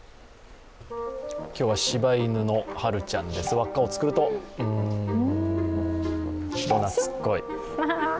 今日は柴犬のハルちゃんです、輪っかを作ると人なつっこい。